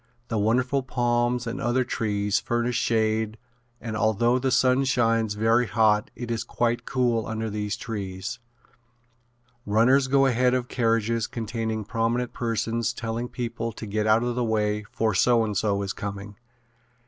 The wonderful palms and other trees furnish shade and although the sun shines very hot it is quite cool under these trees. Runners go ahead of carriages containing prominent persons telling people to get out of the way for so and so is coming.